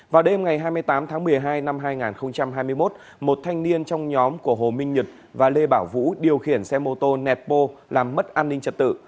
vào đêm ngày hai mươi tám tháng một mươi hai năm hai nghìn hai mươi một một thanh niên trong nhóm của hồ minh nhật và lê bảo vũ điều khiển xe mô tô nẹt bô làm mất an ninh trật tự